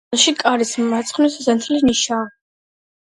ჩრდილოეთ კედელში კარის მარცხნივ სასანთლე ნიშაა.